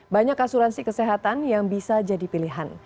banyak asuransi kesehatan yang bisa jadi pilihan